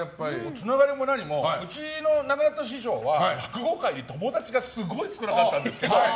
つながりも何もうちの師匠は落語界に友達がすごい少なかったんですね。